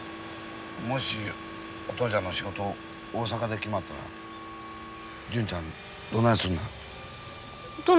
もしお父ちゃんの仕事大阪で決まったら純ちゃんどないするのや？